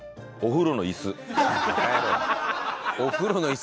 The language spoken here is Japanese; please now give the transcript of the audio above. お風呂の椅子。